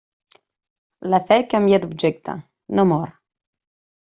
La fe canvia d'objecte, no mor.